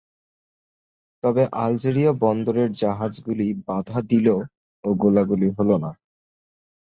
তবে আলজেরীয় বন্দরের জাহাজগুলি বাধা দিল ও গোলাগুলি হলো।